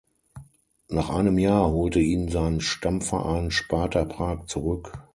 Nach einem Jahr holte ihn sein Stammverein Sparta Prag zurück.